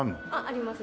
あります